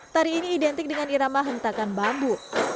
tari ini identik dengan irama hentakan bambu